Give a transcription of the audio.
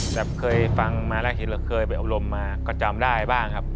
แบบเคยฟังมาแล้วเห็นเราเคยไปอบรมมาก็จำได้บ้างครับ